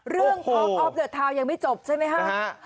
เรื่องของออฟเดอร์ทาวน์ยังไม่จบใช่ไหมฮะ